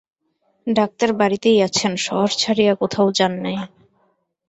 Doctor বাড়িতেই আছেন, শহর ছাড়িয়া কোথাও যান নাই।